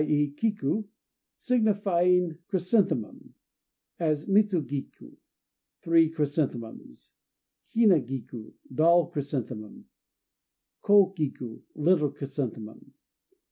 e., kiku) signifying "chrysanthemum"; as Mitsu giku, "Three Chrysanthemums"; Hina giku, "Doll Chrysanthemum"; Ko giku, "Little Chrysanthemum".